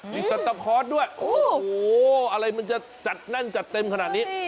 มีสตาพอร์ตด้วยโอ้โหอะไรมันจะจัดแน่นจัดเต็มขนาดนี้